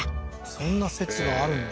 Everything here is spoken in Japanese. そんな説があるんだ